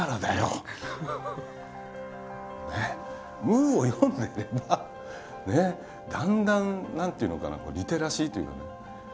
「ムー」を読んでればだんだん何ていうのかなリテラシーというかね。